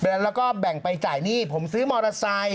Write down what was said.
แล้วก็แบ่งไปจ่ายหนี้ผมซื้อมอเตอร์ไซค์